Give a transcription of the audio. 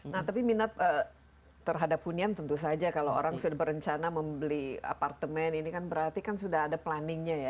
nah tapi minat terhadap hunian tentu saja kalau orang sudah berencana membeli apartemen ini kan berarti kan sudah ada planningnya ya